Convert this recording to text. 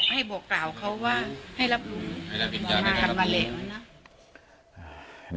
ให้บอกกล่าวเขาว่าให้รับรู้มาทำวันเหล่นะ